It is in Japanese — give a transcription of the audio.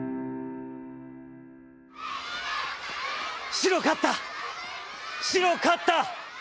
「白勝った、白勝った。